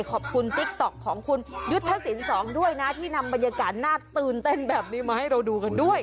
ติ๊กต๊อกของคุณยุทธศิลป์สองด้วยนะที่นำบรรยากาศน่าตื่นเต้นแบบนี้มาให้เราดูกันด้วย